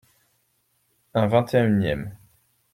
Un vingt-et-unième.